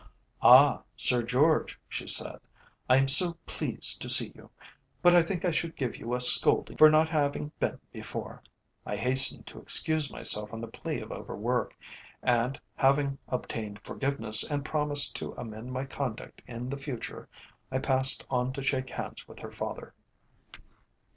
"Ah! Sir George," she said, "I am so pleased to see you. But I think I should give you a scolding for not having been before." I hastened to excuse myself on the plea of over work, and, having obtained forgiveness and promised to amend my conduct in the future, I passed on to shake hands with her father.